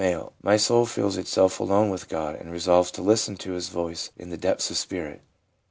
My soul feels itself alone with God, and resolves to listen to His voice in the depths of spirit.